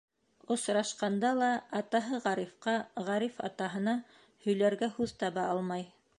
Осрашҡанда ла, атаһы Ғарифҡа, Ғариф атаһына һөйләргә һүҙ таба алмай.